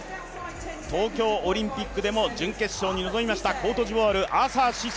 東京オリンピックでも準決勝に臨みましたコートジボワール、アーサー・シセ。